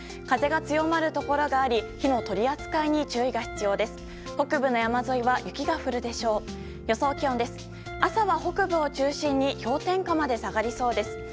風が強まるところがあり火の取り扱いに注意が必要です。